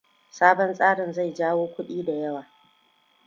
Sabon tsarin zai jawo kuɗi da yawa.